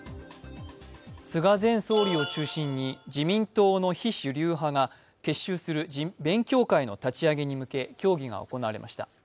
菅前総理を中心に自民党の非主流派が結集する勉強会の立ち上げに向け協議が行われました。